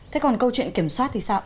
thế còn câu chuyện kiểm soát thì sao